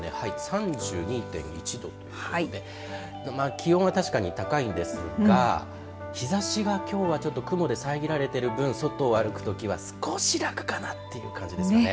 ３２．１度気温は確かに高いんですが日ざしがきょうはちょっと雲で遮られている分外を歩くときは少し楽かなという感じですね。